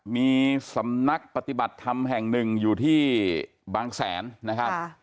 มีสำนักปฏิบัติธรรมแห่งหนึ่งอยู่ที่บางแสนนะครับ